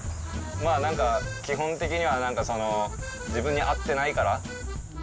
まあなんか、基本的にはなんかその、自分に合ってないから。